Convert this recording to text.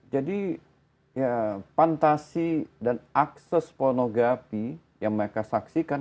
jadi ya fantasi dan akses pornografi yang mereka saksikan